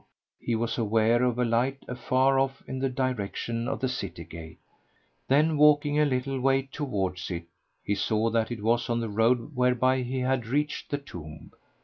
he was ware of a light afar off in the direction of the city gate; then walking a little way towards it, he saw that it was on the road whereby he had reached the tomb.